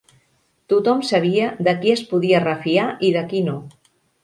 Tothom sabia de qui es podia refiar i de qui no.